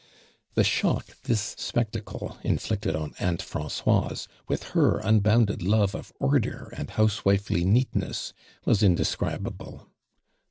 The shock this spectacle inflicted on Aunt Francoiso witli her unboundetl love of order and house wifely neatness, was indes cribable.